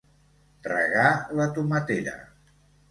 Regar la tomatera.